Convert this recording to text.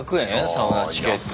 サウナチケット。